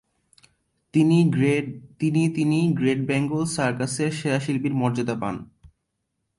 তিনি তিনি great Bengal সার্কাসের সেরা শিল্পীর মর্যাদা পান।